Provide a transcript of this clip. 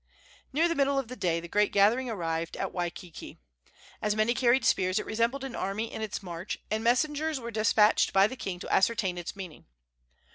Near the middle of the day the great gathering arrived at Waikiki. As many carried spears, it resembled an army in its march, and messengers were despatched by the king to ascertain its meaning.